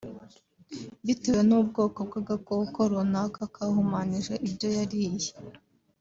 bitewe n’ubwoko bw’agakoko runaka kahumanije ibyo yariye